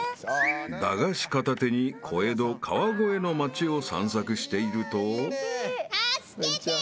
［駄菓子片手に小江戸・川越の街を散策していると］